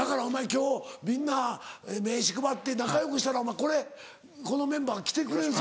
今日みんな名刺配って仲良くしたらこれこのメンバー来てくれるぞ。